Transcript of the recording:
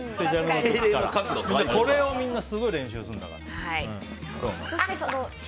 これをみんなすごい練習するんだから。